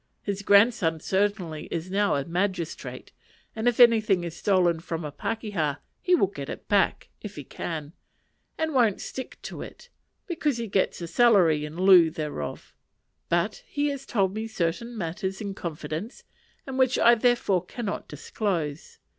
His grandson certainly is now a magistrate, and if anything is stolen from a pakeha, he will get it back, if he can, and won't stick to it, because he gets a salary in lieu thereof; but he has told me certain matters in confidence, and which I therefore cannot disclose.